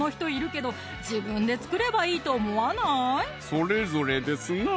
それぞれですな